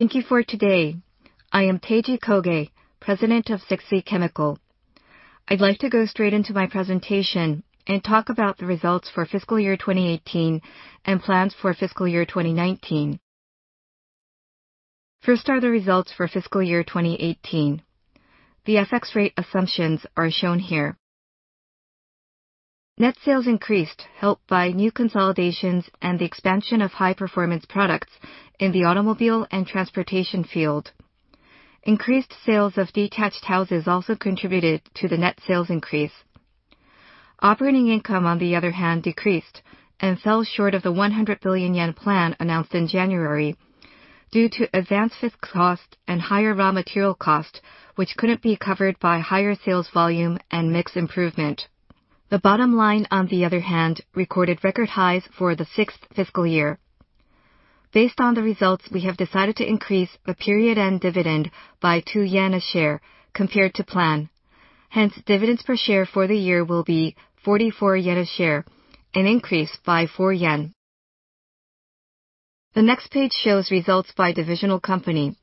Thank you for today. I am Teiji Koge, President of Sekisui Chemical. I'd like to go straight into my presentation and talk about the results for FY 2018 and plans for FY 2019. First are the results for FY 2018. The FX rate assumptions are shown here. Net sales increased, helped by new consolidations and the expansion of high-performance products in the automobile and transportation field. Increased sales of detached houses also contributed to the net sales increase. Operating income, on the other hand, decreased and fell short of the 100 billion yen plan announced in January due to advanced fixed cost and higher raw material cost, which couldn't be covered by higher sales volume and mix improvement. The bottom line, on the other hand, recorded record highs for the sixth fiscal year. Based on the results, we have decided to increase the period-end dividend by 2 yen a share compared to plan. Hence, dividends per share for the year will be 44 yen a share, an increase by 4 yen. The next page shows results by divisional company.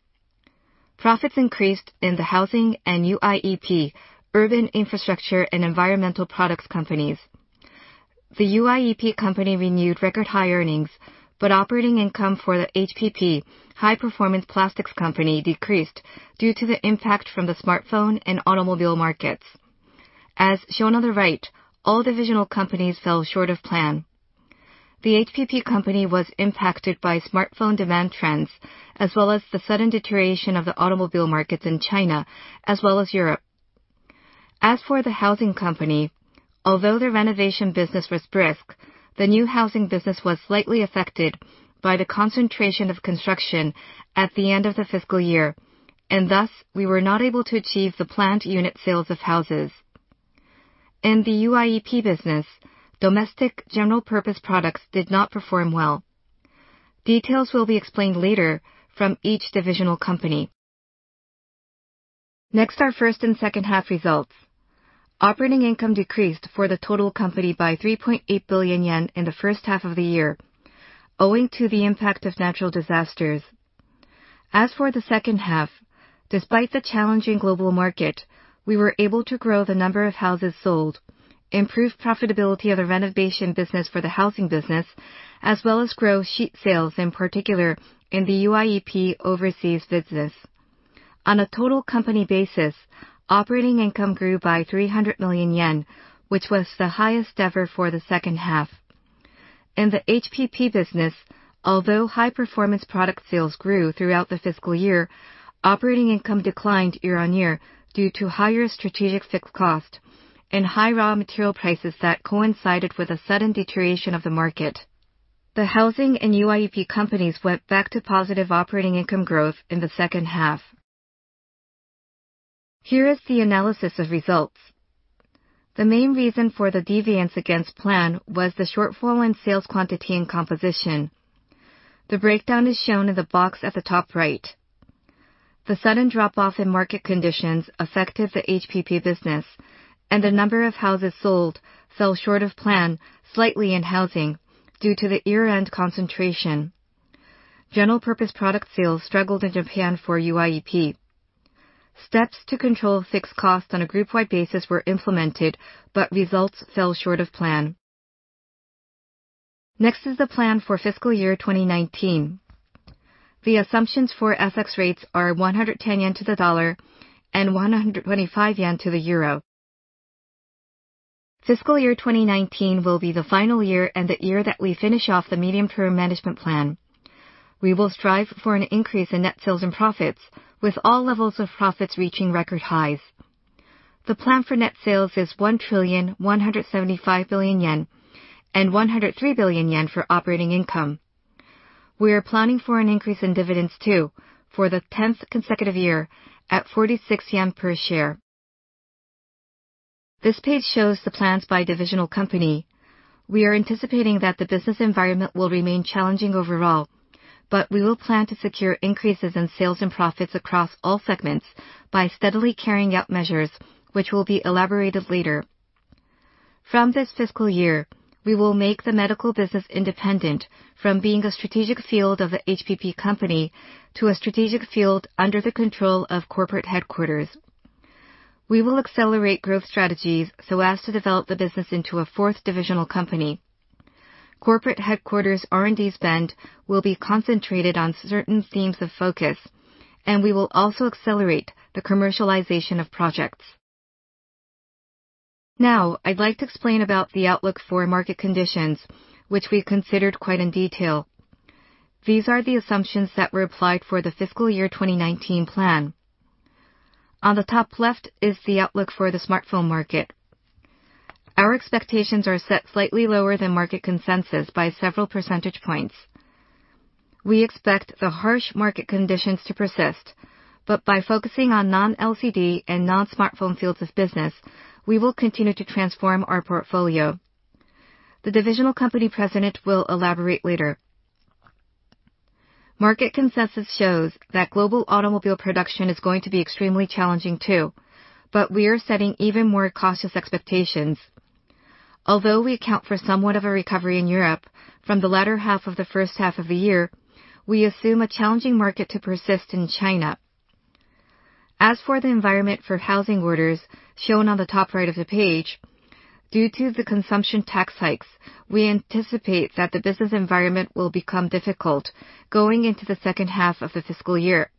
Profits increased in the Housing and UIEP, Urban Infrastructure & Environmental Products Companies. The UIEP Company renewed record high earnings, operating income for the HPP, High Performance Plastics Company decreased due to the impact from the smartphone and automobile markets. As shown on the right, all divisional companies fell short of plan. The HPP Company was impacted by smartphone demand trends as well as the sudden deterioration of the automobile markets in China as well as Europe. As for the Housing Company, although the renovation business was brisk, the new housing business was slightly affected by the concentration of construction at the end of the FY, and thus we were not able to achieve the planned unit sales of houses. In the UIEP Business, domestic general purpose products did not perform well. Details will be explained later from each divisional company. Our first and second half results. Operating income decreased for the total company by 3.8 billion yen in the first half of the year, owing to the impact of natural disasters. As for the second half, despite the challenging global market, we were able to grow the number of houses sold, improve profitability of the renovation business for the housing business, as well as grow sheet sales, in particular in the UIEP overseas Business. On a total company basis, operating income grew by 300 million yen, which was the highest ever for the second half. In the HPP Business, although high performance product sales grew throughout the FY, operating income declined year-on-year due to higher strategic fixed cost and high raw material prices that coincided with a sudden deterioration of the market. The Housing and UIEP Companies went back to positive operating income growth in the second half. Here is the analysis of results. The main reason for the deviance against plan was the shortfall in sales quantity and composition. The breakdown is shown in the box at the top right. The sudden drop-off in market conditions affected the HPP Business, and the number of houses sold fell short of plan slightly in Housing due to the year-end concentration. General purpose product sales struggled in Japan for UIEP. Steps to control fixed costs on a group-wide basis were implemented, but results fell short of plan. Next is the plan for fiscal year 2019. The assumptions for FX rates are 110 yen to the dollar and 125 yen to the euro. Fiscal year 2019 will be the final year and the year that we finish off the medium-term management plan. We will strive for an increase in net sales and profits, with all levels of profits reaching record highs. The plan for net sales is 1,175 billion yen and 103 billion yen for Operating Profit. We are planning for an increase in dividends too, for the 10th consecutive year at 46 yen per share. This page shows the plans by divisional company. We are anticipating that the business environment will remain challenging overall, we will plan to secure increases in sales and profits across all segments by steadily carrying out measures which will be elaborated later. From this fiscal year, we will make the medical business independent from being a strategic field of the HPP Company to a strategic field under the control of corporate headquarters. We will accelerate growth strategies so as to develop the business into a fourth divisional company. Corporate headquarters' R&D spend will be concentrated on certain themes of focus, we will also accelerate the commercialization of projects. Now I'd like to explain about the outlook for market conditions, which we've considered quite in detail. These are the assumptions that were applied for the fiscal year 2019 plan. On the top left is the outlook for the smartphone market. Our expectations are set slightly lower than market consensus by several percentage points. We expect the harsh market conditions to persist, by focusing on non-LCD and non-smartphone fields of business, we will continue to transform our portfolio. The divisional company president will elaborate later. Market consensus shows that global automobile production is going to be extremely challenging too, we are setting even more cautious expectations. Although we account for somewhat of a recovery in Europe from the latter half of the first half of the year, we assume a challenging market to persist in China. As for the environment for housing orders shown on the top right of the page, due to the consumption tax hikes, we anticipate that the business environment will become difficult going into the second half of the fiscal year.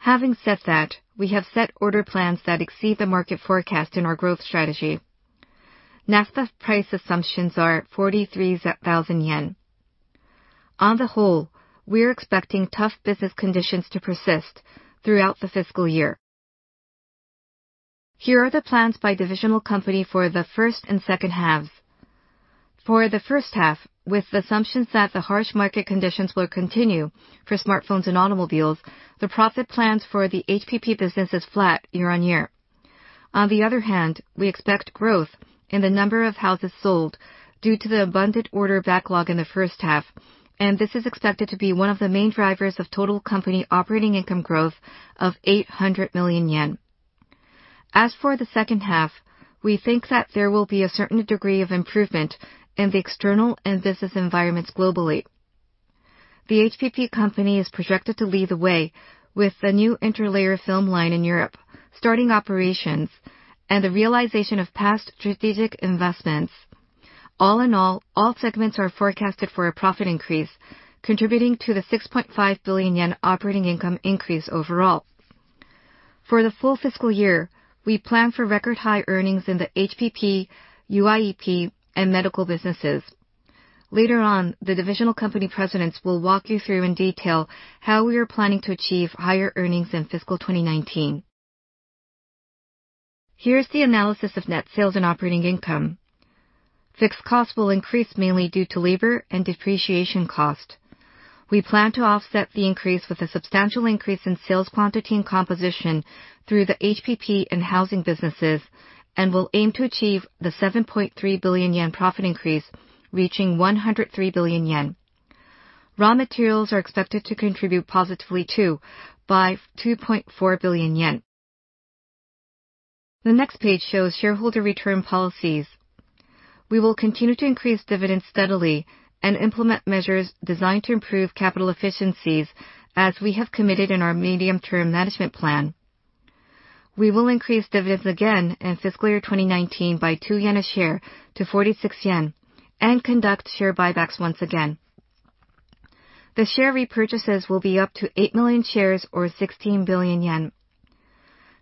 Having said that, we have set order plans that exceed the market forecast in our growth strategy. naphtha price assumptions are at 43,000 yen. On the whole, we're expecting tough business conditions to persist throughout the fiscal year. Here are the plans by divisional company for the first and second halves. For the first half, with the assumptions that the harsh market conditions will continue for smartphones and automobiles, the profit plans for the HPP business is flat year-over-year. On the other hand, we expect growth in the number of houses sold due to the abundant order backlog in the first half, this is expected to be one of the main drivers of total company Operating Profit growth of 800 million yen. As for the second half, we think that there will be a certain degree of improvement in the external and business environments globally. The HPP Company is projected to lead the way with the new interlayer film line in Europe, starting operations and the realization of past strategic investments. All in all segments are forecasted for a profit increase, contributing to the 6.5 billion yen operating income increase overall. For the full fiscal year, we plan for record high earnings in the HPP, UIEP, and medical businesses. Later on, the divisional company presidents will walk you through in detail how we are planning to achieve higher earnings in fiscal 2019. Here is the analysis of net sales and operating income. Fixed costs will increase mainly due to labor and depreciation cost. We plan to offset the increase with a substantial increase in sales quantity and composition through the HPP and housing businesses and will aim to achieve the 7.3 billion yen profit increase, reaching 103 billion yen. Raw materials are expected to contribute positively too by 2.4 billion yen. The next page shows shareholder return policies. We will continue to increase dividends steadily and implement measures designed to improve capital efficiencies, as we have committed in our medium-term management plan. We will increase dividends again in fiscal year 2019 by 2 yen a share to 46 yen, and conduct share buybacks once again. The share repurchases will be up to 8 million shares or 16 billion yen.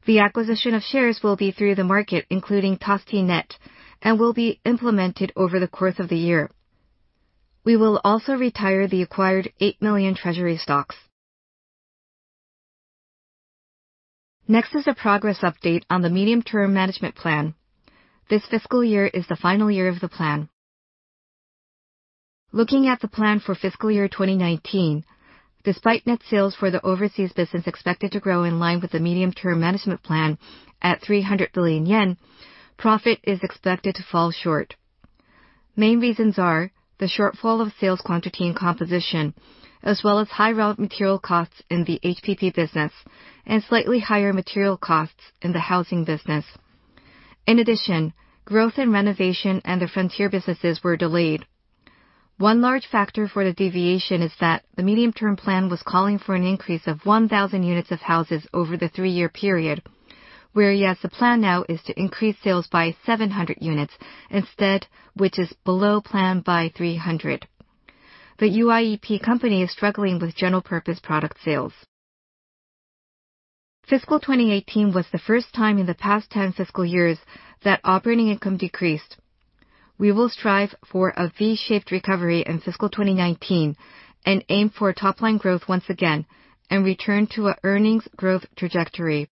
The acquisition of shares will be through the market, including ToSTNeT, and will be implemented over the course of the year. We will also retire the acquired 8 million treasury stocks. Next is a progress update on the medium-term management plan. This fiscal year is the final year of the plan. Looking at the plan for fiscal year 2019, despite net sales for the overseas business expected to grow in line with the medium-term management plan at 300 billion yen, profit is expected to fall short. Main reasons are the shortfall of sales quantity and composition, as well as high raw material costs in the HPP business, and slightly higher material costs in the housing business. In addition, growth and renovation and the frontier businesses were delayed. One large factor for the deviation is that the medium-term plan was calling for an increase of 1,000 units of houses over the three-year period, whereas the plan now is to increase sales by 700 units instead, which is below plan by 300. The UIEP Company is struggling with general purpose product sales. Fiscal 2018 was the first time in the past 10 fiscal years that operating income decreased. We will strive for a V-shaped recovery in fiscal 2019 and aim for top line growth once again and return to an earnings growth trajectory.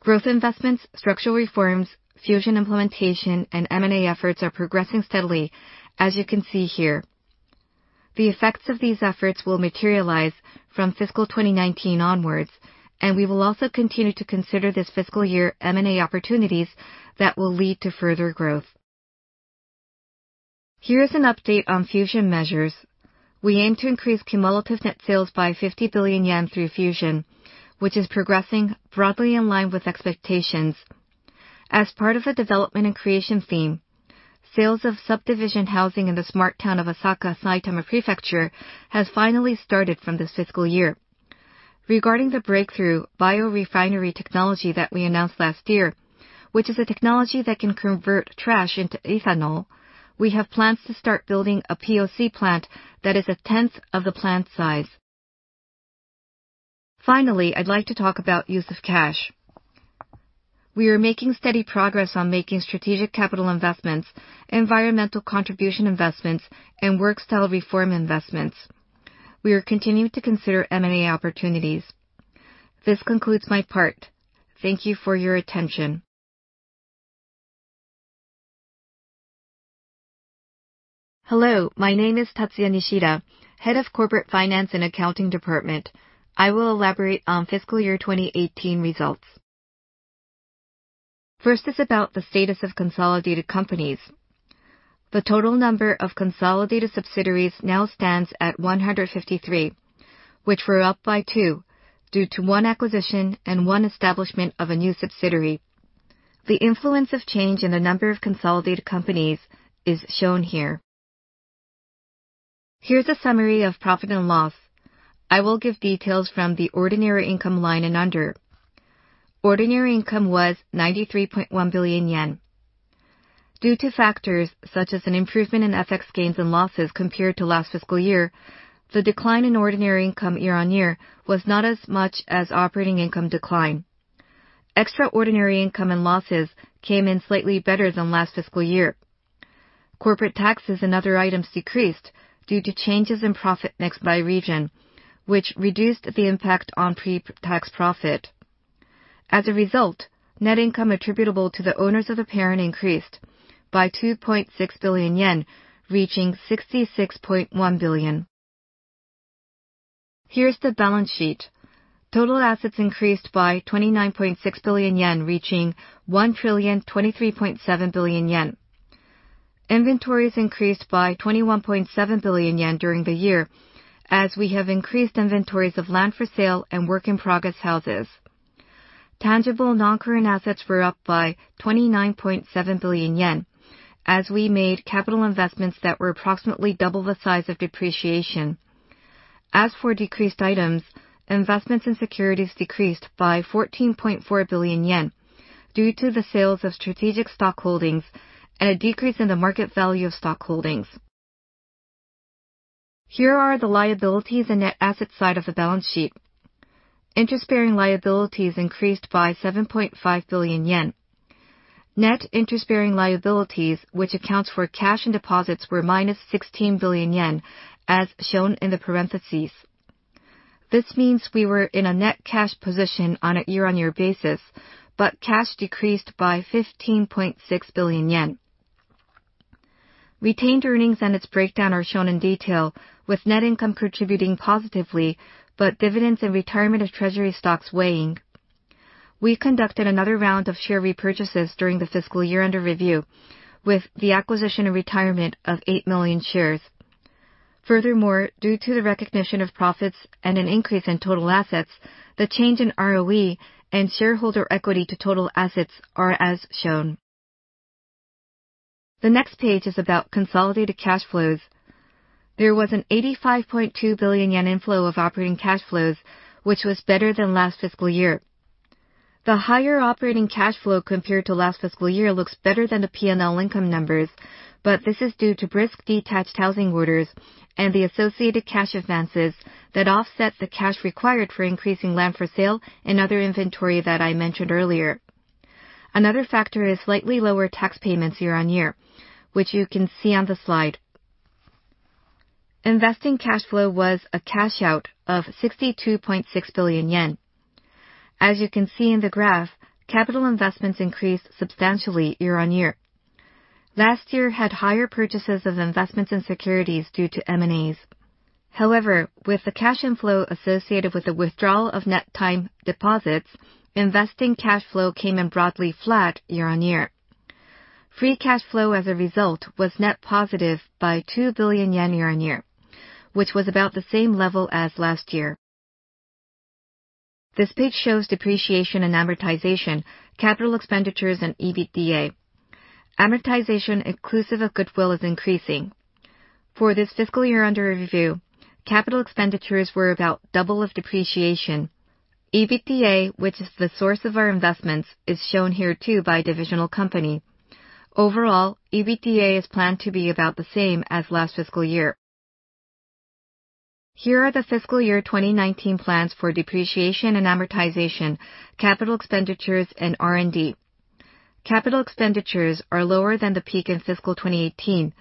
Growth investments, structural reforms, fusion implementation, and M&A efforts are progressing steadily, as you can see here. The effects of these efforts will materialize from fiscal 2019 onwards, and we will also continue to consider this fiscal year M&A opportunities that will lead to further growth. Here is an update on fusion measures. We aim to increase cumulative net sales by 50 billion yen through fusion, which is progressing broadly in line with expectations. As part of the development and creation theme, sales of subdivision housing in the smart town of Asaka, Saitama Prefecture, has finally started from this fiscal year. Regarding the breakthrough biorefinery technology that we announced last year, which is a technology that can convert trash into ethanol, we have plans to start building a POC plant that is a tenth of the plant size. Finally, I'd like to talk about use of cash. We are making steady progress on making strategic capital investments, environmental contribution investments, and work style reform investments. We are continuing to consider M&A opportunities. This concludes my part. Thank you for your attention. Hello, my name is Tatsuya Nishida, Head of Corporate Finance and Accounting Department. I will elaborate on fiscal year 2018 results. First is about the status of consolidated companies. The total number of consolidated subsidiaries now stands at 153, which were up by two due to one acquisition and one establishment of a new subsidiary. The influence of change in the number of consolidated companies is shown here. Here's a summary of profit and loss. I will give details from the ordinary income line and under. Ordinary income was 93.1 billion yen. Due to factors such as an improvement in FX gains and losses compared to last fiscal year, the decline in ordinary income year-on-year was not as much as operating income decline. Extraordinary income and losses came in slightly better than last fiscal year. Corporate taxes and other items decreased due to changes in profit mix by region, which reduced the impact on pre-tax profit. As a result, net income attributable to the owners of the parent increased by 2.6 billion yen, reaching 66.1 billion. Here's the balance sheet. Total assets increased by 29.6 billion yen, reaching 1,023.7 billion yen. Inventories increased by 21.7 billion yen during the year, as we have increased inventories of land for sale and work-in-progress houses. Tangible non-current assets were up by 29.7 billion yen as we made capital investments that were approximately double the size of depreciation. As for decreased items, investments in securities decreased by 14.4 billion yen due to the sales of strategic stock holdings and a decrease in the market value of stock holdings. Here are the liabilities and net asset side of the balance sheet. Interest-bearing liabilities increased by 7.5 billion yen. Net interest-bearing liabilities, which accounts for cash and deposits, were minus 16 billion yen, as shown in the parentheses. This means we were in a net cash position on a year-on-year basis, but cash decreased by 15.6 billion yen. Retained earnings and its breakdown are shown in detail, with net income contributing positively, but dividends and retirement of treasury stocks weighing. We conducted another round of share repurchases during the fiscal year under review with the acquisition and retirement of 8 million shares. Furthermore, due to the recognition of profits and an increase in total assets, the change in ROE and shareholder equity to total assets are as shown. The next page is about consolidated cash flows. There was an 85.2 billion yen inflow of operating cash flows, which was better than last fiscal year. The higher operating cash flow compared to last fiscal year looks better than the P&L income numbers, but this is due to brisk detached housing orders and the associated cash advances that offset the cash required for increasing land for sale and other inventory that I mentioned earlier. Another factor is slightly lower tax payments year-on-year, which you can see on the slide. Investing cash flow was a cash-out of 62.6 billion yen. As you can see in the graph, capital investments increased substantially year-on-year. Last year had higher purchases of investments in securities due to M&As. However, with the cash inflow associated with the withdrawal of net time deposits, investing cash flow came in broadly flat year-on-year. Free cash flow, as a result, was net positive by 2 billion yen year-on-year, which was about the same level as last year. This page shows depreciation and amortization, capital expenditures, and EBITDA. Amortization inclusive of goodwill is increasing. For this fiscal year under review, capital expenditures were about double of depreciation. EBITDA, which is the source of our investments, is shown here too by divisional company. Overall, EBITDA is planned to be about the same as last fiscal year. Here are the FY 2019 plans for depreciation and amortization, capital expenditures, and R&D. Capital expenditures are lower than the peak in FY 2018,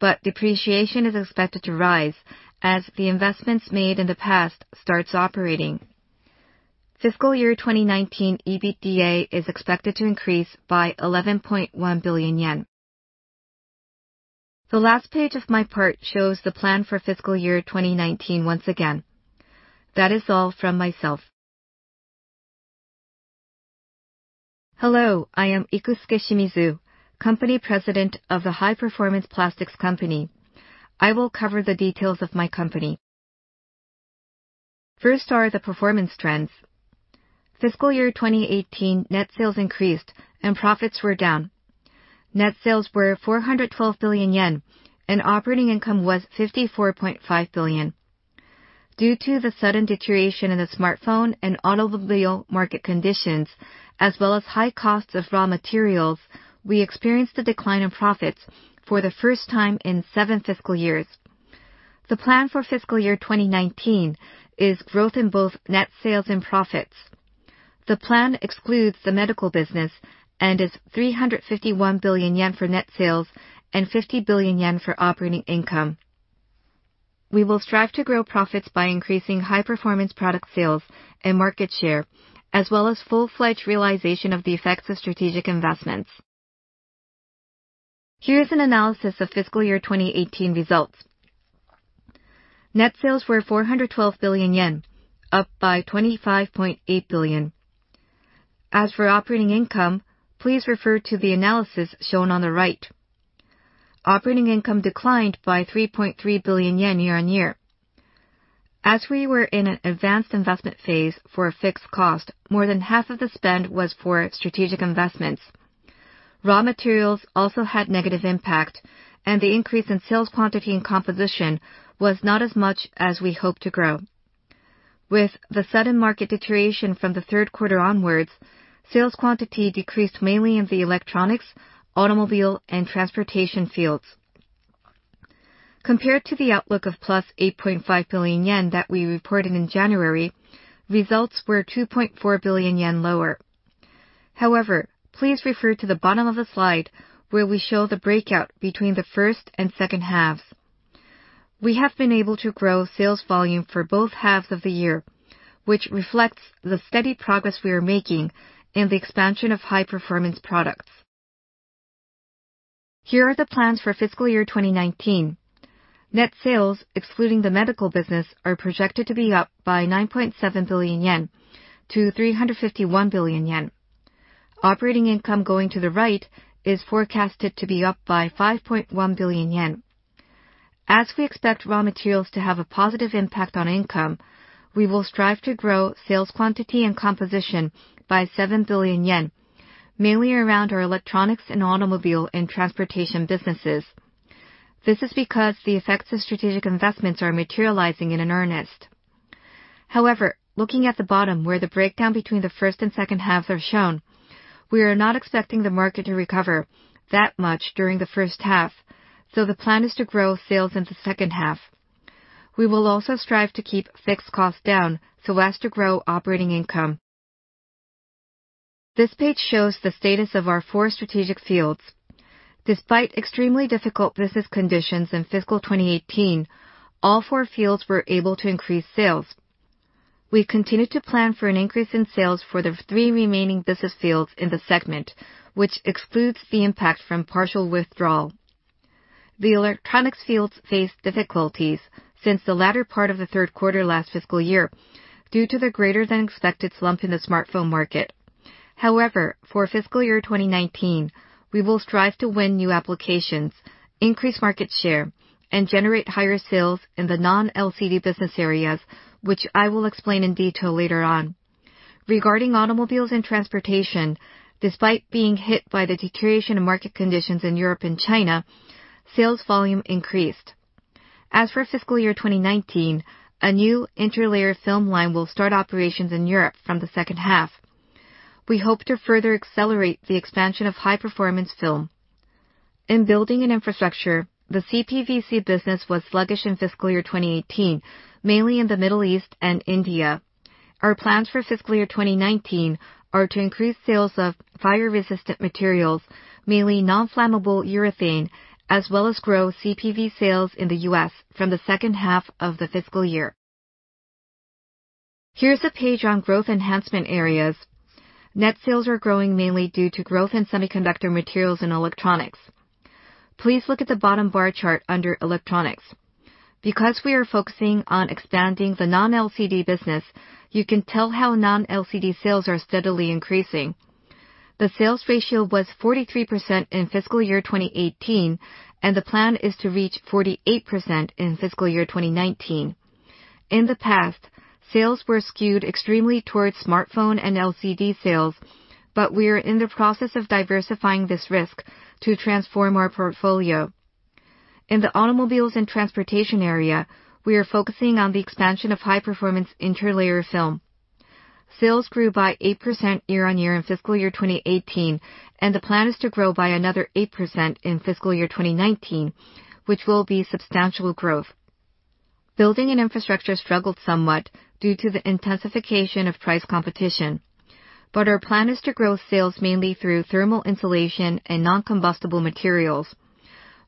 but depreciation is expected to rise as the investments made in the past starts operating. FY 2019 EBITDA is expected to increase by 11.1 billion yen. The last page of my part shows the plan for FY 2019 once again. That is all from myself. Hello, I am Ikusuke Shimizu, Company President of the High Performance Plastics Company. I will cover the details of my company. First are the performance trends. FY 2018 net sales increased and profits were down. Net sales were 412 billion yen, and operating income was 54.5 billion. Due to the sudden deterioration in the smartphone and automobile market conditions, as well as high costs of raw materials, we experienced a decline in profits for the first time in seven fiscal years. The plan for FY 2019 is growth in both net sales and profits. The plan excludes the medical business and is 351 billion yen for net sales and 50 billion yen for operating income. We will strive to grow profits by increasing high-performance product sales and market share, as well as full-fledged realization of the effects of strategic investments. Here's an analysis of FY 2018 results. Net sales were 412 billion yen, up by 25.8 billion. As for operating income, please refer to the analysis shown on the right. Operating income declined by 3.3 billion yen year-on-year. As we were in an advanced investment phase for a fixed cost, more than half of the spend was for strategic investments. Raw materials also had negative impact, and the increase in sales quantity and composition was not as much as we hoped to grow. With the sudden market deterioration from the third quarter onwards, sales quantity decreased mainly in the electronics, automobile, and transportation fields. Compared to the outlook of plus 8.5 billion yen that we reported in January, results were 2.4 billion yen lower. Please refer to the bottom of the slide where we show the breakout between the first and second halves. We have been able to grow sales volume for both halves of the year, which reflects the steady progress we are making in the expansion of high-performance products. Here are the plans for FY 2019. Net sales, excluding the medical business, are projected to be up by 9.7 billion yen to 351 billion yen. Operating income going to the right is forecasted to be up by 5.1 billion yen. We expect raw materials to have a positive impact on income, we will strive to grow sales quantity and composition by 7 billion yen, mainly around our electronics and automobile and transportation businesses. This is because the effects of strategic investments are materializing in earnest. Looking at the bottom where the breakdown between the first and second halves are shown, we are not expecting the market to recover that much during the first half, the plan is to grow sales in the second half. We will also strive to keep fixed costs down as to grow operating income. This page shows the status of our four strategic fields. Despite extremely difficult business conditions in fiscal 2018, all four fields were able to increase sales. We continue to plan for an increase in sales for the three remaining business fields in the segment, which excludes the impact from partial withdrawal. The electronics fields faced difficulties since the latter part of the third quarter last fiscal year due to the greater-than-expected slump in the smartphone market. For fiscal year 2019, we will strive to win new applications, increase market share, and generate higher sales in the non-LCD business areas, which I will explain in detail later on. Regarding automobiles and transportation, despite being hit by the deterioration of market conditions in Europe and China, sales volume increased. As for fiscal year 2019, a new interlayer film line will start operations in Europe from the second half. We hope to further accelerate the expansion of high-performance film. In building an infrastructure, the CPVC business was sluggish in fiscal year 2018, mainly in the Middle East and India. Our plans for fiscal year 2019 are to increase sales of fire-resistant materials, mainly non-flammable urethane, as well as grow CPVC sales in the U.S. from the second half of the fiscal year. Here's a page on growth enhancement areas. Net sales are growing mainly due to growth in semiconductor materials and electronics. Please look at the bottom bar chart under electronics. We are focusing on expanding the non-LCD business, you can tell how non-LCD sales are steadily increasing. The sales ratio was 43% in fiscal year 2018, and the plan is to reach 48% in fiscal year 2019. In the past, sales were skewed extremely towards smartphone and LCD sales, but we are in the process of diversifying this risk to transform our portfolio. In the automobiles and transportation area, we are focusing on the expansion of high-performance interlayer film. Sales grew by 8% year-on-year in fiscal year 2018, and the plan is to grow by another 8% in fiscal year 2019, which will be substantial growth. Building and infrastructure struggled somewhat due to the intensification of price competition, our plan is to grow sales mainly through thermal insulation and non-combustible materials.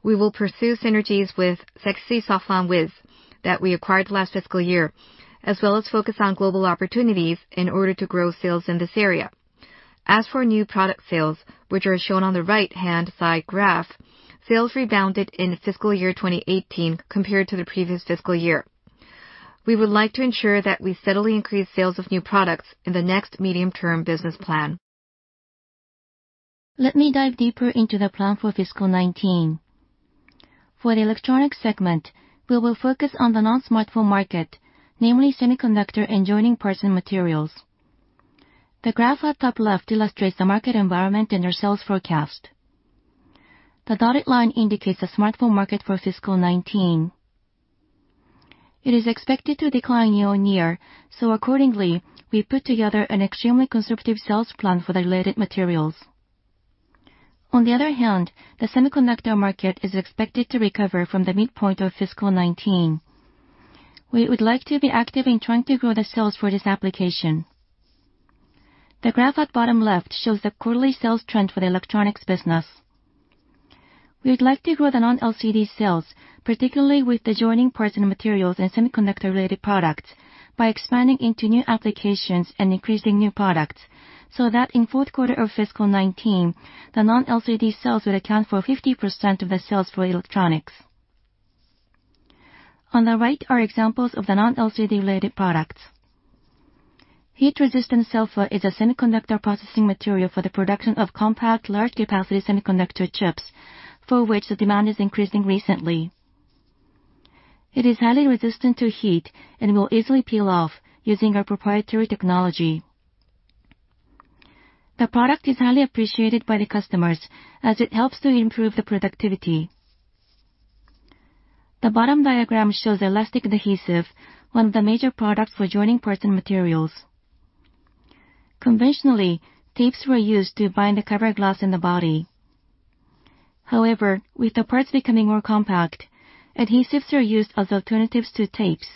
We will pursue synergies with Sekisui Soflan Wiz that we acquired last fiscal year, as well as focus on global opportunities in order to grow sales in this area. As for new product sales, which are shown on the right-hand side graph, sales rebounded in fiscal year 2018 compared to the previous fiscal year. We would like to ensure that we steadily increase sales of new products in the next medium-term business plan. Let me dive deeper into the plan for fiscal 2019. For the electronic segment, we will focus on the non-smartphone market, namely semiconductor and joining parts and materials. The graph at top left illustrates the market environment and our sales forecast. The dotted line indicates the smartphone market for fiscal 2019. It is expected to decline year-over-year, so accordingly, we put together an extremely conservative sales plan for the related materials. The semiconductor market is expected to recover from the midpoint of fiscal 2019. We would like to be active in trying to grow the sales for this application. The graph at bottom left shows the quarterly sales trend for the electronics business. We would like to grow the non-LCD sales, particularly with the joining parts and materials and semiconductor-related products by expanding into new applications and increasing new products, so that in fourth quarter of fiscal 2019, the non-LCD sales would account for 50% of the sales for electronics. On the right are examples of the non-LCD related products. Heat resistant SELFA is a semiconductor processing material for the production of compact, large capacity semiconductor chips, for which the demand is increasing recently. It is highly resistant to heat and will easily peel off using our proprietary technology. The product is highly appreciated by the customers as it helps to improve the productivity. The bottom diagram shows elastic adhesive, one of the major products for joining parts and materials. Conventionally, tapes were used to bind the cover glass and the body. With the parts becoming more compact, adhesives are used as alternatives to tapes.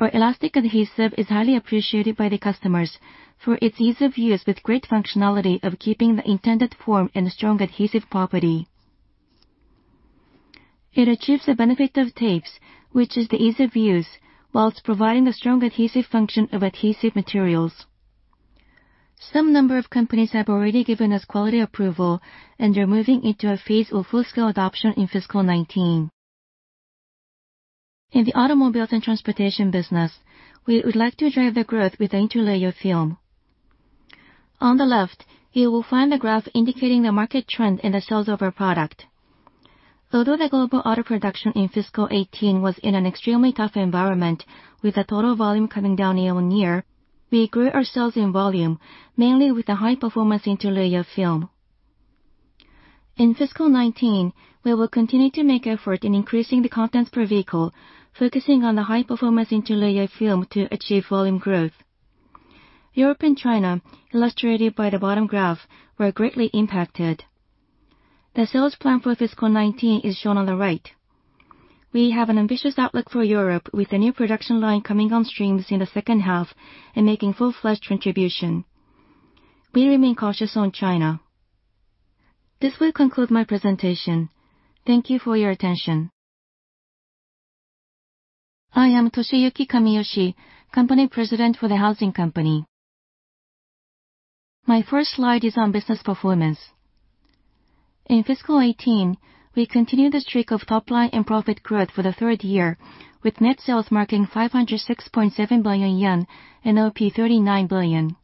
Our elastic adhesive is highly appreciated by the customers for its ease of use with great functionality of keeping the intended form and strong adhesive property. It achieves the benefit of tapes, which is the ease of use, whilst providing the strong adhesive function of adhesive materials. Some number of companies have already given us quality approval, and they're moving into a phase of full scale adoption in fiscal 2019. In the automobiles and transportation business, we would like to drive the growth with interlayer film. On the left, you will find a graph indicating the market trend in the sales of our product. The global auto production in fiscal 2018 was in an extremely tough environment, with the total volume coming down year-over-year, we grew our sales in volume, mainly with the high performance interlayer film. In fiscal 2019, we will continue to make effort in increasing the contents per vehicle, focusing on the high performance interlayer film to achieve volume growth. Europe and China, illustrated by the bottom graph, were greatly impacted. The sales plan for fiscal 2019 is shown on the right. We have an ambitious outlook for Europe, with a new production line coming on stream in the second half and making full-fledged contribution. We remain cautious on China. This will conclude my presentation. Thank you for your attention. I am Toshiyuki Kamiyoshi, Company President for the Housing Company. My first slide is on business performance. In fiscal 2018, we continued the streak of top-line and profit growth for the third year, with net sales marking 506.7 billion yen and OP 39 billion.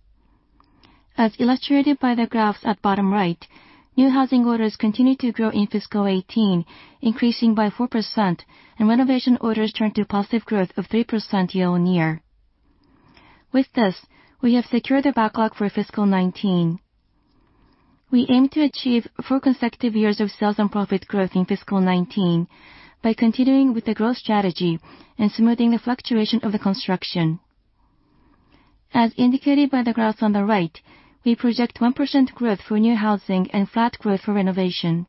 As illustrated by the graphs at bottom right, new housing orders continued to grow in fiscal 2018, increasing by 4%, and renovation orders turned to positive growth of 3% year-over-year. With this, we have secured the backlog for fiscal 2019. We aim to achieve four consecutive years of sales and profit growth in fiscal 2019 by continuing with the growth strategy and smoothing the fluctuation of the construction. As indicated by the graphs on the right, we project 1% growth for new housing and flat growth for renovation.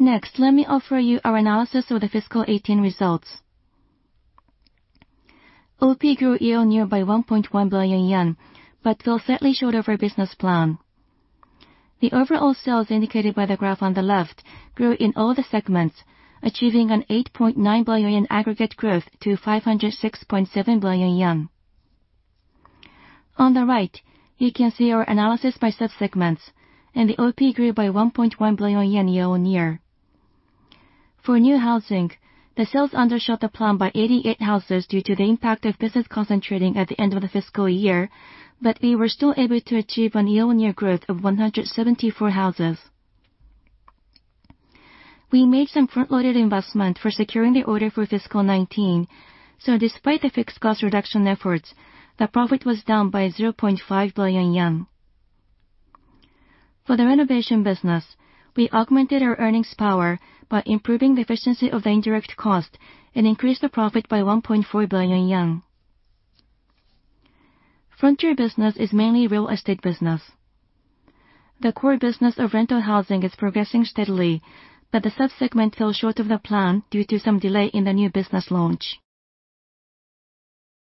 Next, let me offer you our analysis of the fiscal 2018 results. OP grew year-over-year by 1.1 billion yen, but fell slightly short of our business plan. The overall sales indicated by the graph on the left grew in all the segments, achieving an 8.9 billion yen aggregate growth to 506.7 billion yen. On the right, you can see our analysis by sub-segments and the OP grew by 1.1 billion yen year-over-year. For new housing, the sales undershot the plan by 88 houses due to the impact of business concentrating at the end of the fiscal year, but we were still able to achieve a year-over-year growth of 174 houses. We made some front-loaded investment for securing the order for fiscal 2019. Despite the fixed cost reduction efforts, the profit was down by 0.5 billion yen. For the renovation business, we augmented our earnings power by improving the efficiency of the indirect cost and increased the profit by JPY 1.4 billion. Frontier business is mainly real estate business. The core business of rental housing is progressing steadily, but the sub-segment fell short of the plan due to some delay in the new business launch.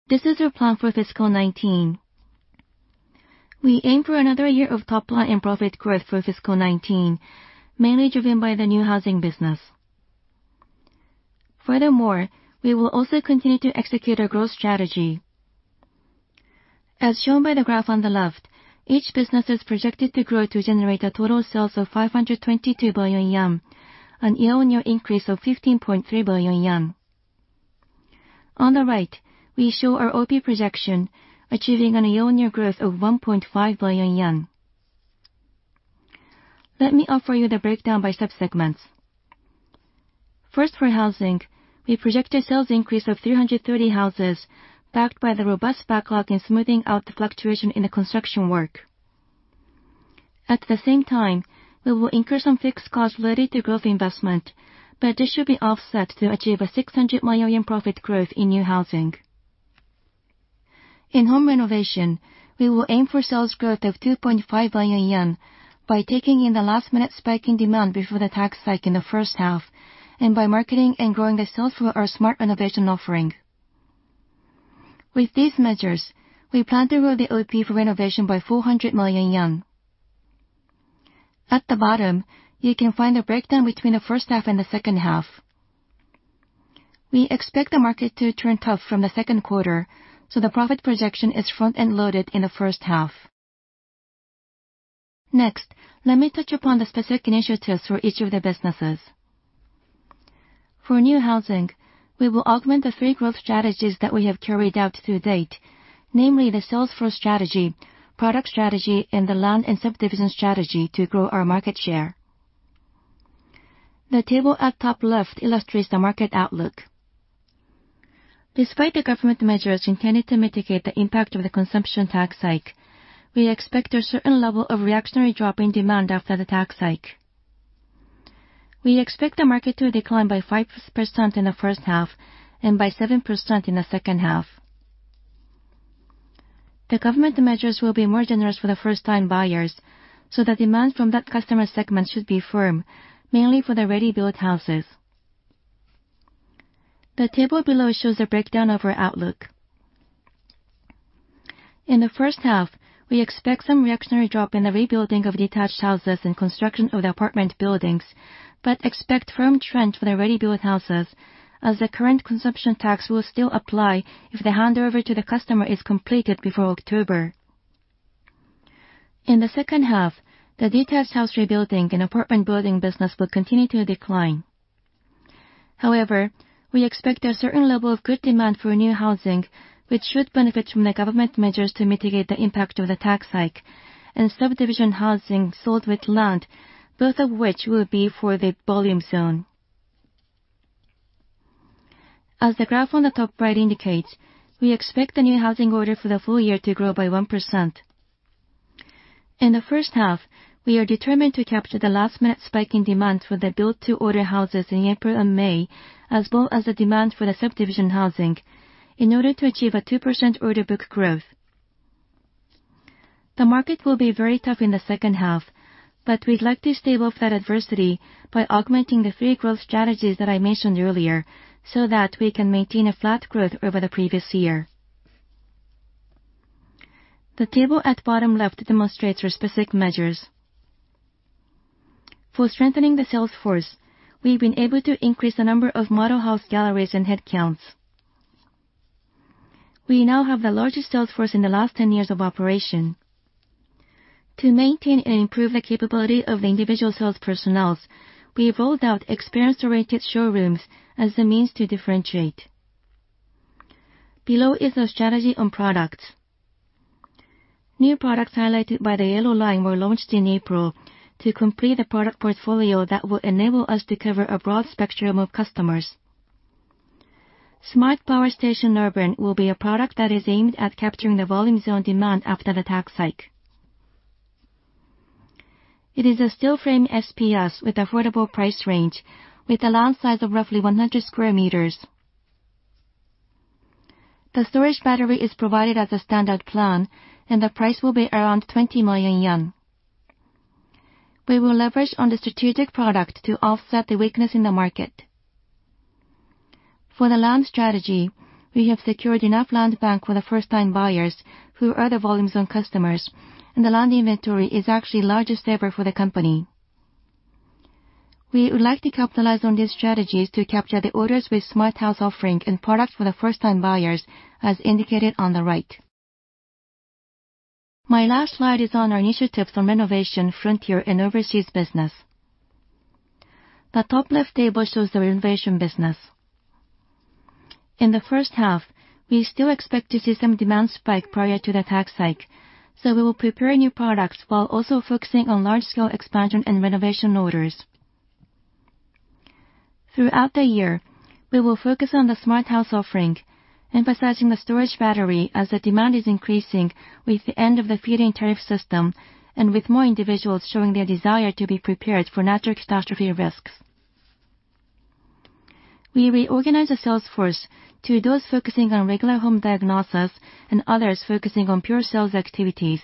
This is our plan for fiscal 2019. We aim for another year of top-line and profit growth for fiscal 2019, mainly driven by the new housing business. Furthermore, we will also continue to execute our growth strategy. As shown by the graph on the left, each business is projected to grow to generate a total sales of 522 billion yen, a year-over-year increase of 15.3 billion yen. On the right, we show our OP projection, achieving a year-over-year growth of 1.5 billion yen. Let me offer you the breakdown by sub-segments. First, for housing, we project a sales increase of 330 houses backed by the robust backlog and smoothing out the fluctuation in the construction work. At the same time, we will incur some fixed costs related to growth investment, but this should be offset to achieve a 1.6 billion profit growth in new housing. In home renovation, we will aim for sales growth of 2.5 billion yen by taking in the last minute spike in demand before the tax hike in the first half and by marketing and growing the sales for our smart renovation offering. With these measures, we plan to grow the OP for renovation by 400 million yen. At the bottom, you can find a breakdown between the first half and the second half. We expect the market to turn tough from the second quarter, so the profit projection is front-end loaded in the first half. Next, let me touch upon the specific initiatives for each of the businesses. For new housing, we will augment the three growth strategies that we have carried out to date, namely the sales force strategy, product strategy, and the land and subdivision strategy to grow our market share. The table at top left illustrates the market outlook. Despite the government measures intended to mitigate the impact of the consumption tax hike, we expect a certain level of reactionary drop in demand after the tax hike. We expect the market to decline by 5% in the first half and by 7% in the second half. The government measures will be more generous for the first-time buyers. The demand from that customer segment should be firm, mainly for the ready-built houses. The table below shows a breakdown of our outlook. In the first half, we expect some reactionary drop in the rebuilding of detached houses and construction of the apartment buildings. We expect firm trend for the ready-built houses as the current consumption tax will still apply if the handover to the customer is completed before October. In the second half, the detached house rebuilding and apartment building business will continue to decline. We expect a certain level of good demand for new housing, which should benefit from the government measures to mitigate the impact of the tax hike and subdivision housing sold with land, both of which will be for the volume zone. As the graph on the top right indicates, we expect the new housing order for the full year to grow by 1%. In the first half, we are determined to capture the last-minute spike in demand for the built-to-order houses in April and May, as well as the demand for the subdivision housing in order to achieve a 2% order book growth. The market will be very tough in the second half. We'd like to stable that adversity by augmenting the three growth strategies that I mentioned earlier so that we can maintain a flat growth over the previous year. The table at bottom left demonstrates our specific measures. For strengthening the sales force, we've been able to increase the number of model house galleries and headcounts. We now have the largest sales force in the last 10 years of operation. To maintain and improve the capability of the individual sales personnel, we rolled out experience-oriented showrooms as the means to differentiate. Below is a strategy on products. New products highlighted by the yellow line were launched in April to complete a product portfolio that will enable us to cover a broad spectrum of customers. Smart Power Station Urban will be a product that is aimed at capturing the volume zone demand after the tax hike. It is a steel frame SPS with affordable price range, with a land size of roughly 100 sq m. The storage battery is provided as a standard plan. The price will be around 20 million yen. We will leverage on the strategic product to offset the weakness in the market. For the land strategy, we have secured enough land bank for the first-time buyers who are the volume zone customers. The land inventory is actually largest ever for the company. We would like to capitalize on these strategies to capture the orders with Smart House offering and products for the first-time buyers, as indicated on the right. My last slide is on our initiatives on renovation, frontier, and overseas business. The top left table shows the renovation business. In the first half, we still expect to see some demand spike prior to the tax hike, so we will prepare new products while also focusing on large-scale expansion and renovation orders. Throughout the year, we will focus on the Smart House offering, emphasizing the storage battery as the demand is increasing with the end of the feed-in tariff system and with more individuals showing their desire to be prepared for natural catastrophe risks. We reorganized the sales force to those focusing on regular home diagnosis and others focusing on pure sales activities.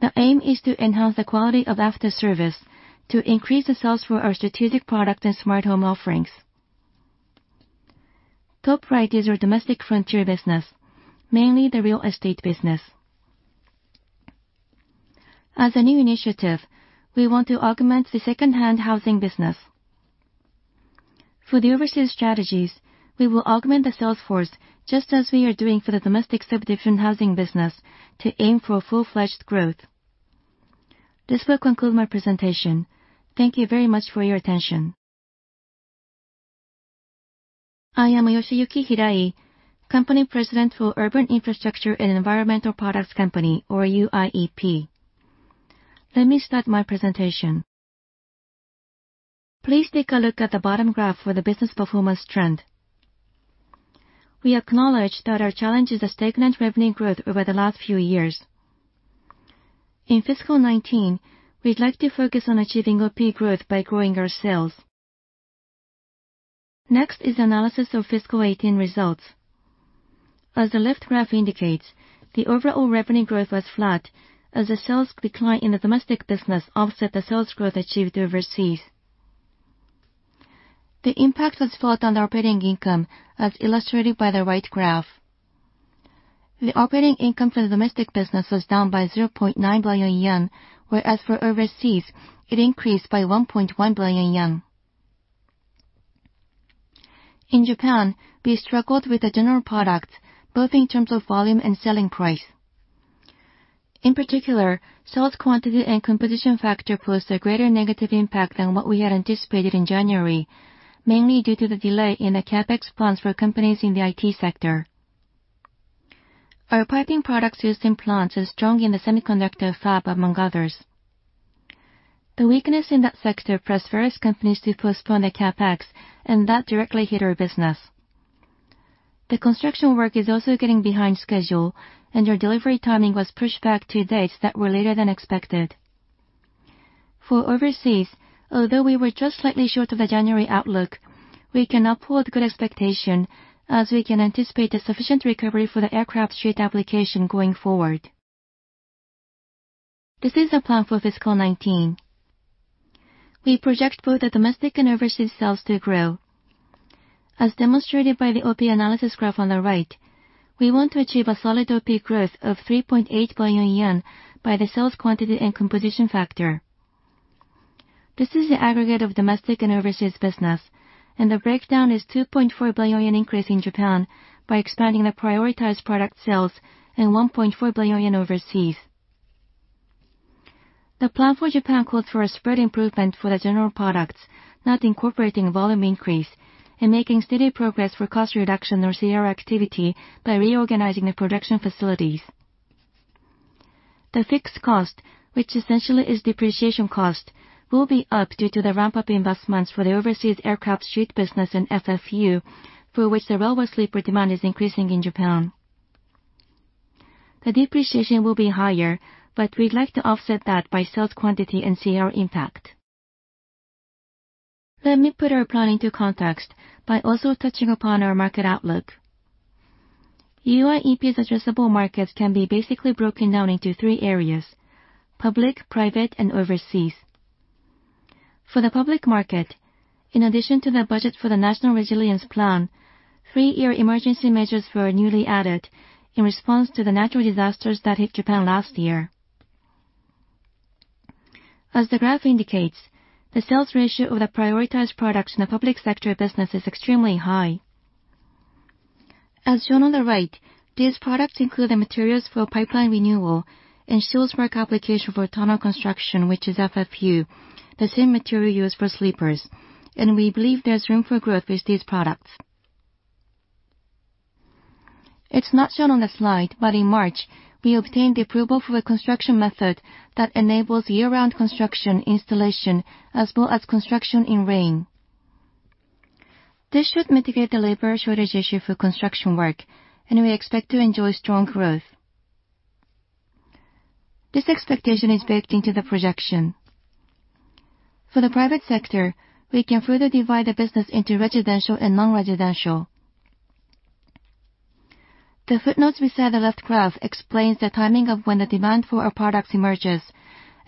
The aim is to enhance the quality of after service to increase the sales for our strategic product and smart home offerings. Top right is our domestic frontier business, mainly the real estate business. As a new initiative, we want to augment the second-hand housing business. For the overseas strategies, we will augment the sales force, just as we are doing for the domestic subdivision housing business to aim for a full-fledged growth. This will conclude my presentation. Thank you very much for your attention. I am Yoshiyuki Hirai, President of Urban Infrastructure & Environmental Products Company, or UIEP. Let me start my presentation. Please take a look at the bottom graph for the business performance trend. We acknowledge that our challenge is the stagnant revenue growth over the last few years. In fiscal 2019, we'd like to focus on achieving OP growth by growing our sales. Next is analysis of fiscal 2018 results. As the left graph indicates, the overall revenue growth was flat as the sales decline in the domestic business offset the sales growth achieved overseas. The impact was felt on the operating income, as illustrated by the right graph. The operating income for the domestic business was down by 0.9 billion yen, whereas for overseas, it increased by 1.1 billion yen. In Japan, we struggled with the general products, both in terms of volume and selling price. In particular, sales quantity and composition factor posed a greater negative impact than what we had anticipated in January, mainly due to the delay in the CapEx plans for companies in the IT sector. Our piping products used in plants is strong in the semiconductor fab, among others. The weakness in that sector pressed various companies to postpone their CapEx, and that directly hit our business. The construction work is also getting behind schedule, and their delivery timing was pushed back to dates that were later than expected. For overseas, although we were just slightly short of the January outlook, we can uphold good expectation as we can anticipate a sufficient recovery for the aircraft sheet application going forward. This is our plan for fiscal 2019. We project both the domestic and overseas sales to grow. As demonstrated by the OP analysis graph on the right, we want to achieve a solid OP growth of 3.8 billion yen by the sales quantity and composition factor. This is the aggregate of domestic and overseas business, and the breakdown is 2.4 billion yen increase in Japan by expanding the prioritized product sales and 1.4 billion yen overseas. The plan for Japan calls for a spread improvement for the general products, not incorporating volume increase and making steady progress for cost reduction or CR activity by reorganizing the production facilities. The fixed cost, which essentially is depreciation cost, will be up due to the ramp-up investments for the overseas aircraft sheet business and FFU, for which the railway sleeper demand is increasing in Japan. The depreciation will be higher, but we'd like to offset that by sales quantity and CR impact. Let me put our planning into context by also touching upon our market outlook. UIEP's addressable markets can be basically broken into three areas: public, private, and overseas. For the public market, in addition to the budget for the National Resilience Plan, three-year emergency measures were newly added in response to the natural disasters that hit Japan last year. As the graph indicates, the sales ratio of the prioritized products in the public sector business is extremely high. As shown on the right, these products include the materials for pipeline renewal and soil-smack application for tunnel construction, which is FFU, the same material used for sleepers. We believe there's room for growth with these products. It's not shown on the slide, but in March, we obtained the approval for a construction method that enables year-round construction installation as well as construction in rain. This should mitigate the labor shortage issue for construction work, and we expect to enjoy strong growth. This expectation is baked into the projection. For the private sector, we can further divide the business into residential and non-residential. The footnotes beside the left graph explains the timing of when the demand for our products emerges.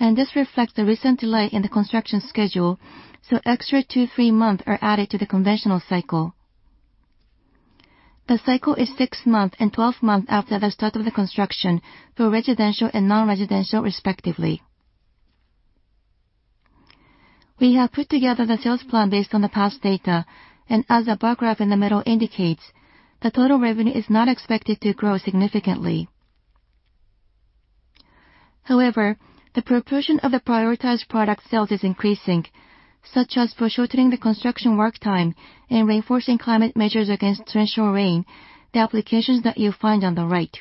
This reflects the recent delay in the construction schedule, so extra two, three months are added to the conventional cycle. The cycle is six months and 12 months after the start of the construction for residential and non-residential, respectively. We have put together the sales plan based on the past data. As the bar graph in the middle indicates, the total revenue is not expected to grow significantly. However, the proportion of the prioritized product sales is increasing, such as for shortening the construction work time and reinforcing climate measures against torrential rain, the applications that you find on the right.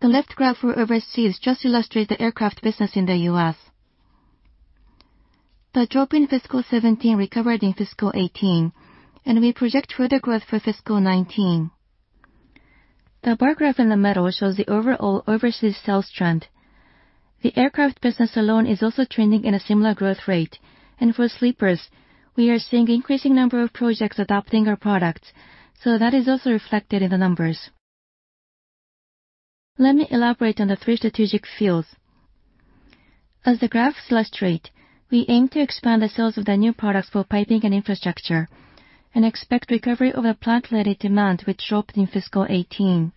The left graph for overseas just illustrates the aircraft business in the U.S. The drop in fiscal 2017 recovered in fiscal 2018. We project further growth for fiscal 2019. The bar graph in the middle shows the overall overseas sales trend. The aircraft business alone is also trending in a similar growth rate. For sleepers, we are seeing increasing number of projects adopting our products. That is also reflected in the numbers. Let me elaborate on the three strategic fields. As the graphs illustrate, we aim to expand the sales of the new products for piping and infrastructure. We expect recovery of the plant-related demand, which dropped in fiscal 2018.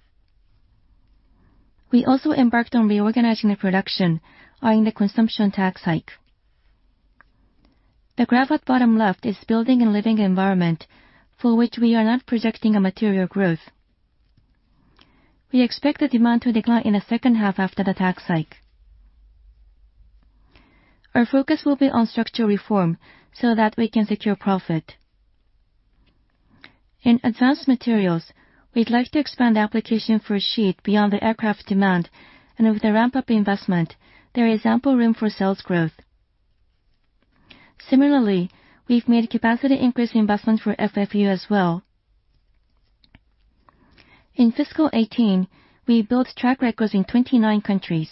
We also embarked on reorganizing the production, owing the consumption tax hike. The graph at bottom left is building and living environment for which we are not projecting a material growth. We expect the demand to decline in the second half after the tax hike. Our focus will be on structural reform so that we can secure profit. In advanced materials, we'd like to expand the application for a sheet beyond the aircraft demand. With the ramp-up investment, there is ample room for sales growth. Similarly, we've made capacity increase investment for FFU as well. In fiscal 2018, we built track records in 29 countries.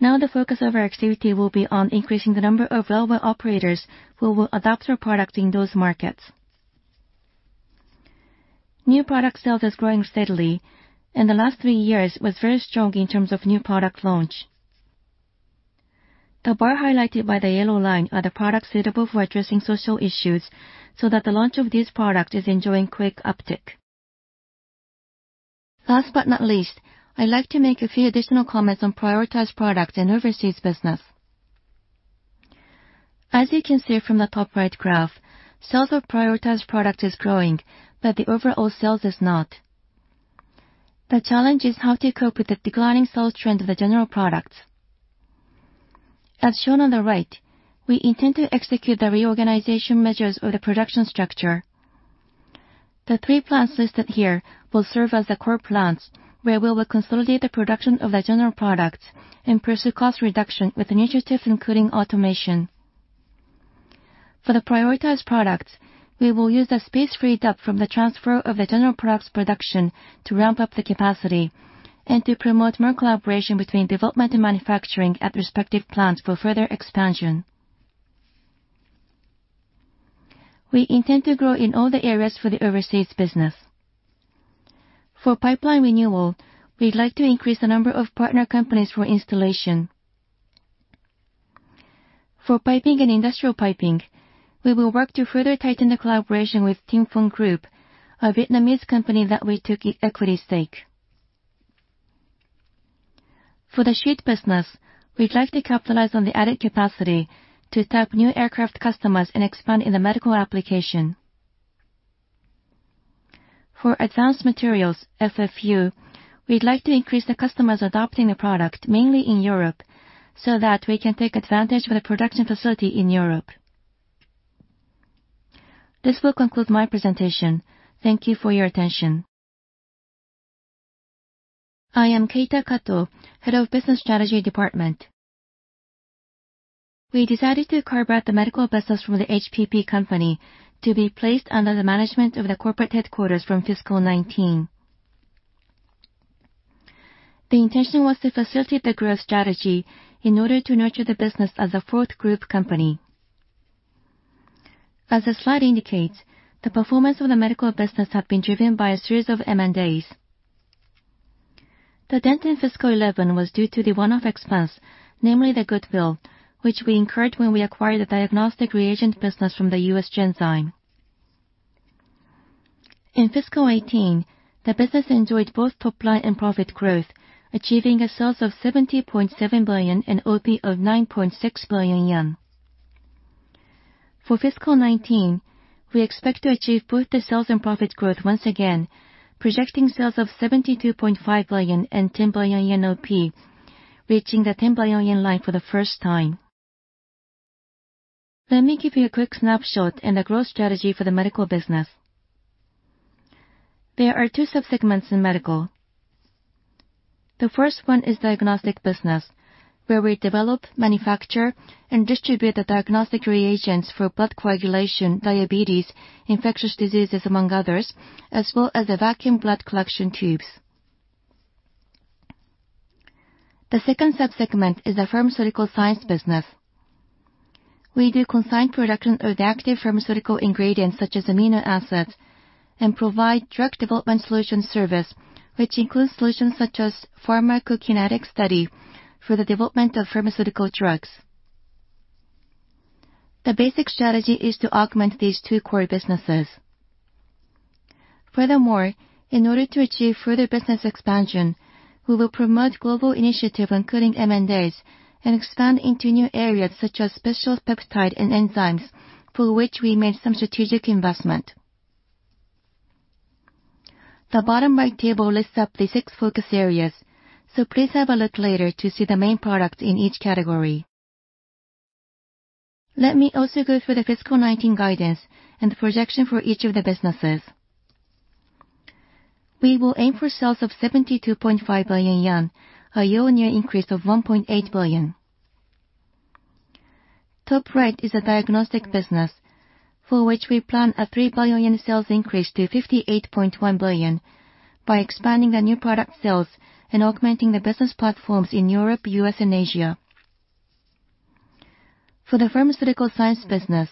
The focus of our activity will be on increasing the number of railway operators who will adopt our product in those markets. New product sales is growing steadily. In the last three years, it was very strong in terms of new product launch. The bar highlighted by the yellow line are the products suitable for addressing social issues so the launch of this product is enjoying quick uptick. Last but not least, I'd like to make a few additional comments on prioritized products and overseas business. As you can see from the top right graph, sales of prioritized product is growing, but the overall sales is not. The challenge is how to cope with the declining sales trend of the general products. As shown on the right, we intend to execute the reorganization measures of the production structure. The three plans listed here will serve as the core plans, where we will consolidate the production of the general products and pursue cost reduction with initiative including automation. For the prioritized products, we will use the space freed up from the transfer of the general products production to ramp up the capacity and to promote more collaboration between development and manufacturing at respective plants for further expansion. We intend to grow in all the areas for the overseas business. For pipeline renewal, we'd like to increase the number of partner companies for installation. For piping and industrial piping, we will work to further tighten the collaboration with Tien Phong Plastic, a Vietnamese company that we took equity stake. For the sheet business, we'd like to capitalize on the added capacity to tap new aircraft customers and expand in the medical application. For advanced materials, FFU, we'd like to increase the customers adopting the product mainly in Europe, so we can take advantage of the production facility in Europe. This will conclude my presentation. Thank you for your attention. I am Keita Kato, Head of Business Strategy Department. We decided to carve out the medical business from the High Performance Plastics Company to be placed under the management of the corporate headquarters from fiscal 2019. The intention was to facilitate the growth strategy in order to nurture the business as a fourth group company. As the slide indicates, the performance of the medical business had been driven by a series of M&As. The dent in fiscal 2011 was due to the one-off expense, namely the goodwill, which we incurred when we acquired the diagnostic reagents business from the U.S. Genzyme. In fiscal 2018, the business enjoyed both top line and profit growth, achieving sales of 70.7 billion and OP of 9.6 billion yen. For fiscal 2019, we expect to achieve both sales and profit growth once again, projecting sales of 72.5 billion and 10 billion yen OP, reaching the 10 billion yen line for the first time. Let me give you a quick snapshot and the growth strategy for the medical business. There are two subsegments in medical. The first one is Diagnostics Business, where we develop, manufacture, and distribute the diagnostic reagents for blood coagulation, diabetes, infectious diseases, among others, as well as the vacuum blood collection tubes. The second subsegment is the pharmaceutical science business. We do consign production of the active pharmaceutical ingredients such as amino acids, and provide drug development solutions service, which includes solutions such as pharmacokinetic study for the development of pharmaceutical drugs. The basic strategy is to augment these two core businesses. Furthermore, in order to achieve further business expansion, we will promote global initiative, including M&As, and expand into new areas such as specialty peptide and enzymes, for which we made some strategic investment. The bottom right table lists up the six focus areas. Please have a look later to see the main products in each category. Let me also go through the fiscal 2019 guidance and the projection for each of the businesses. We will aim for sales of 72.5 billion yen, a year-on-year increase of 1.8 billion. Top right is a Diagnostics Business, for which we plan a 3 billion yen sales increase to 58.1 billion by expanding the new product sales and augmenting the business platforms in Europe, U.S., and Asia. For the pharmaceutical science business,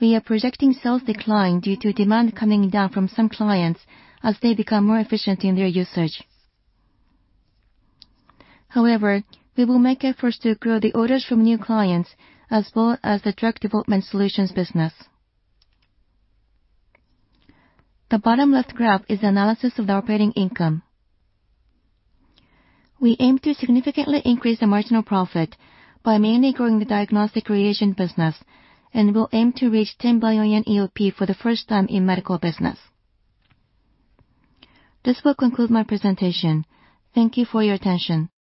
we are projecting sales decline due to demand coming down from some clients as they become more efficient in their usage. However, we will make efforts to grow the orders from new clients as well as the drug development solutions business. The bottom left graph is analysis of the operating income. We aim to significantly increase the marginal profit by mainly growing the diagnostic creation business and will aim to reach 10 billion in OP for the first time in Medical Business. This will conclude my presentation. Thank you for your attention.